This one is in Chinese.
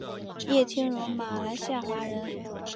叶清荣马来西亚华人。